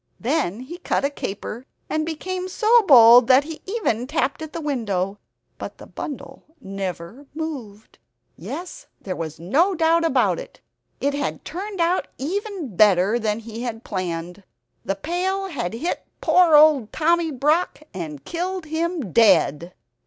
Then he cut a caper, and became so bold that he even tapped at the window; but the bundle never moved. Yes there was no doubt about it it had turned out even better than he had planned; the pail had hit poor old Tommy Brock, and killed him dead!